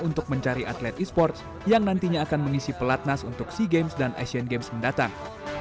untuk mencari atlet e sports yang nantinya akan mengisi pelatnas untuk sea games dan asian games mendatang